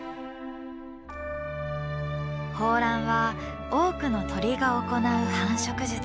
抱卵は多くの鳥が行う繁殖術。